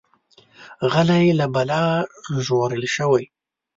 غلی، له بلا ژغورل شوی.